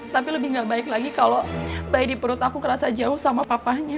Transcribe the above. tapi lebih gak baik lagi kalo bayi di perut aku kerasa jauh sama papahnya